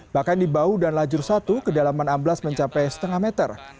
bahkan di bau dan lajur satu kedalaman amblas mencapai setengah meter